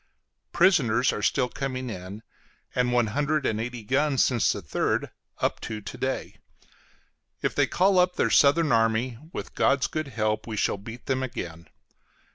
Prisoners are still coming in, and one hundred and eighty guns since the 3d up to to day. If they call up their southern army, with God's good help we shall beat them again.